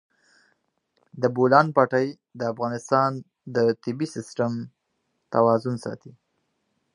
د بولان پټي د افغانستان د طبعي سیسټم توازن ساتي.